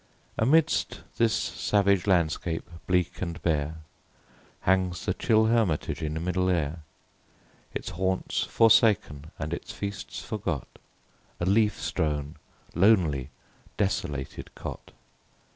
Amidst this savage landscape, bleak and bare, Hangs the chill hermitage in middle air; Its haunts forsaken, and its feasts forgot, A leaf strown, lonely, desolated cot